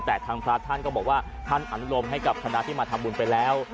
แต่ทางพระท่านก็บอกว่าท่านอนุโลมให้กับคณะที่มาทำบุญไปแล้ว